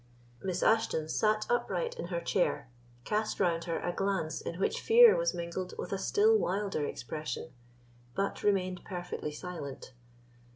Miss Ashton sat upright in her chair, cast round her a glance in which fear was mingled with a still wilder expression, but remained perfectly silent.